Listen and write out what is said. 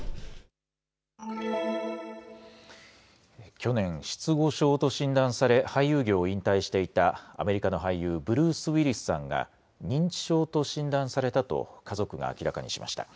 去年、失語症と診断され俳優業を引退していたアメリカの俳優、ブルース・ウィリスさんが認知症と診断されたと家族が明らかにしました。